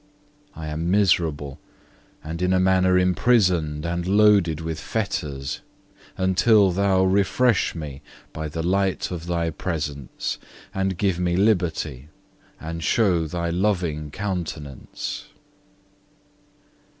I am miserable, and in a manner imprisoned and loaded with fetters, until Thou refresh me by the light of Thy presence, and give me liberty, and show Thy loving countenance.